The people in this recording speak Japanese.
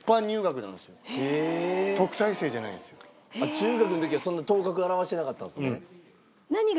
中学の時はそんな頭角現してなかったんですね。